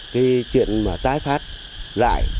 cái chuyện mà tái phát lại